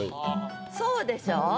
そうでしょ？